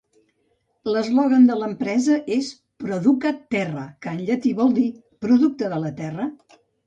L'eslògan de l'empresa és "Producat Terra", que en llatí vol dir "Producte de la terra".